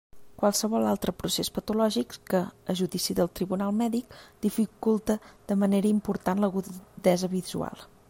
Qualsevol altre procés patològic que, a judici del tribunal mèdic, dificulte de manera important l'agudesa visual.